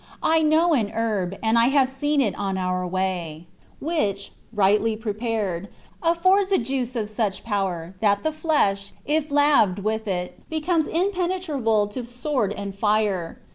I know an herb, and I have seen it on our way, which, rightly prepared, affords a juice of such power, that the flesh, if laved with it, becomes impenetrable to sword or fire.